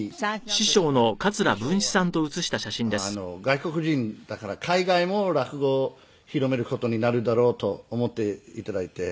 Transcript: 師匠は外国人だから海外も落語を広める事になるだろうと思って頂いて。